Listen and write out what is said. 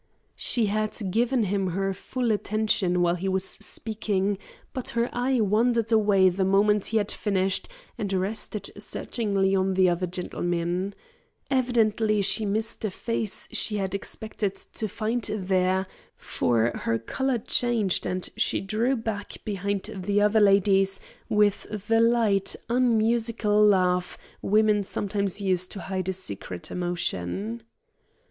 She had given him her full attention while he was speaking, but her eye wandered away the moment he had finished and rested searchingly on the other gentlemen. Evidently she missed a face she had expected to find there, for her colour changed and she drew back behind the other ladies with the light, unmusical laugh women sometimes use to hide a secret emotion.